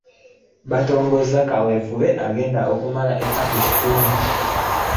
Batongoza kaweefube agenda okumala ennaku kikumi.